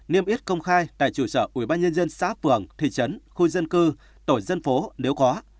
niêm yết công khai tại chủ sở ubnd xã phường thị trấn khu dân cư tổ dân phố nếu có